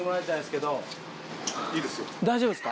大丈夫です。